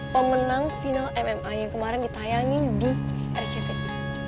pemenang final mma yang kemarin ditayangin di rctv